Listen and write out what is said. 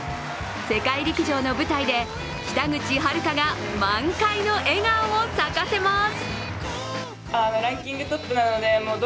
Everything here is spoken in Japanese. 世界陸上の舞台で北口榛花が満開の笑顔を咲かせます。